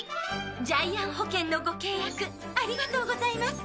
ジャイアン保険のご契約ありがとうございます。